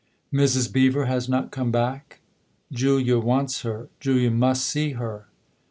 " Mrs. Beever has not come back ? Julia wants her Julia must see her